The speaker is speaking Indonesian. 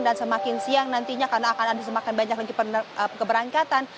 dan semakin siang nantinya karena akan semakin banyak lagi keberangkatan